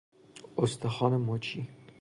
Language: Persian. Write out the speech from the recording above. استخوان مچی